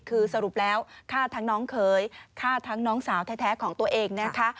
คือสรุปแล้วฆ่าทั้งน้องเขยฆ่าทั้งน้องสาวแท้ของตัวเองนะคะ